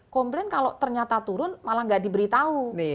komplain kalau ternyata turun malah nggak diberitahu